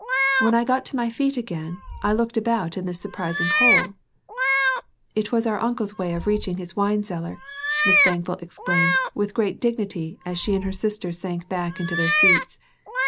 When I got to my feet again, I looked about in this surprising hole " "It was our uncle's way of reaching his winecellar," Miss Thankful explained with great dignity as she and her sister sank back into their seats.